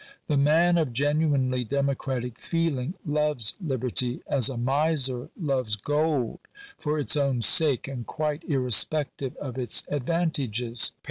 The man of genuinely democratic feeling loves liberty as a miser loves gold, for its own sake and quite irrespective of its advan tages (p.